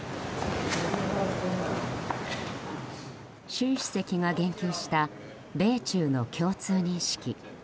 習主席が言及した米中の共通認識。